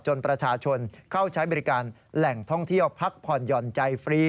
ประชาชนเข้าใช้บริการแหล่งท่องเที่ยวพักผ่อนหย่อนใจฟรี